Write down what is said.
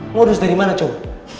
modus dari mana cowok